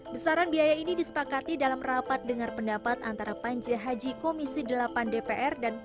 besaran biaya ini disepakati dalam rapat dengar pendapat antara panja haji komisi delapan dpr